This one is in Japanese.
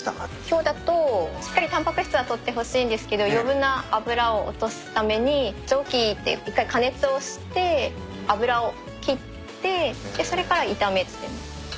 今日だとしっかりタンパク質は取ってほしいんですけど余分な脂を落とすために蒸気で一回加熱をして脂を切ってでそれから炒めてます。